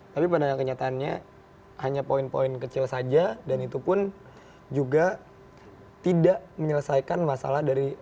tapi pada kenyataannya hanya poin poin kecil saja dan itu pun juga tidak menyelesaikan masalah dari